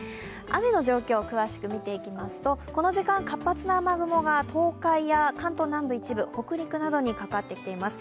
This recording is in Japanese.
雨の状況、詳しく見ていきますと、この時間、活発な雨雲が東海や関東南部の一部、北陸などにかかってきています。